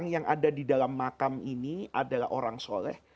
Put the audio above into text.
yang ada di dalam makam ini adalah orang soleh